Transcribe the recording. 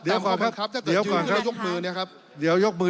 เดี๋ยวขอพักครับเดี๋ยวก่อนเขายกมือเนี่ยครับเดี๋ยวยกมือ